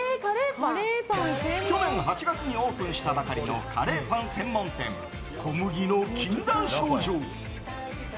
去年８月にオープンしたばかりのカレーパン専門店小麦の禁断症状。